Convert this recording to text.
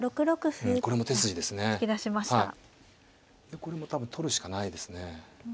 これも多分取るしかないですね。